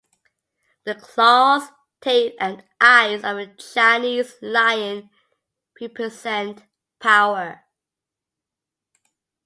The claws, teeth and eyes of the Chinese lion represent power.